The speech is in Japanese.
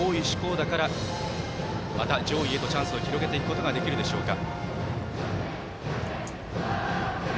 那から、また上位へとチャンスを広げていくことができるでしょうか。